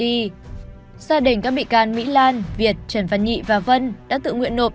gia đình các bị can mỹ lan việt trần văn nhị và vân đã tự nguyện nộp